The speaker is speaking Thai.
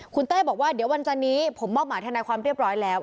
คุณเต้บอกว่าเดี๋ยววันจันนี้ผมมอบหมายทนายความเรียบร้อยแล้ว